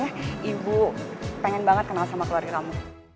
eh ibu pengen banget kenal sama keluarga kamu